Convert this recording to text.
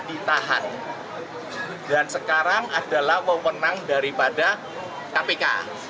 itu semua orang orang dari kpk